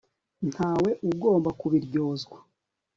ntawe ugomba kubiryozwa